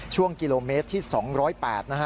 ช่วงกิโลเมตรที่๒๐๘นะฮะ